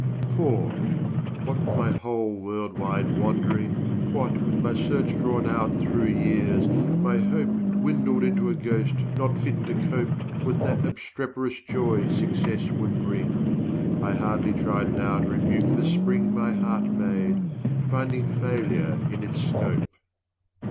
For, what with my whole world wide wandering, What with my search drawn out through years, my hope 20 Dwindled into a ghost not fit to cope With that obstreperous joy success would bring, I hardly tried now to rebuke the spring My heart made, finding failure in its scope.